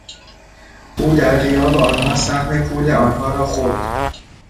او در غیاب آنها سهم پول آنها را خورد.